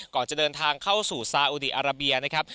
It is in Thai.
ก่อนจะเดินทางเข้าสู่ซาอุดีอาราเบียนะครับ